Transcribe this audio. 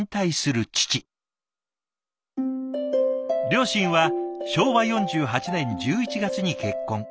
「両親は昭和４８年１１月に結婚。